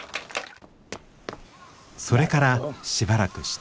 それからしばらくして。